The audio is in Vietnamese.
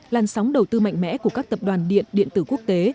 làn sóng đầu tư mạnh mẽ của các tập đoàn điện điện tử quốc tế